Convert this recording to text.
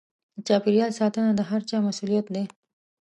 د چاپېريال ساتنه د هر چا مسووليت دی.